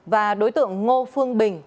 và đối tượng ngô phương bình